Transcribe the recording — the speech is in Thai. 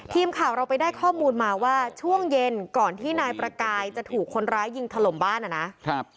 ทีมข่าวเราไปได้ข้อมูลมาว่าช่วงเย็นก่อนที่นายประกายจะถูกคนร้ายยิงถล่มบ้านนะครับ